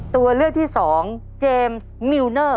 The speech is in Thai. ตัวเลือกที่สองเจมส์มิวเนอร์